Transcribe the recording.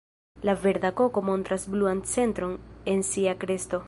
La Verda koko montras bluan centron en sia kresto.